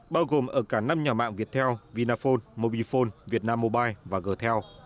bao gồm ở cả năm nhà mạng viettel vinaphone mobifone vietnam mobile và g tel